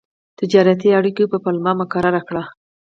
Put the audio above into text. تجارتي اړیکو په پلمه مقرر کړ.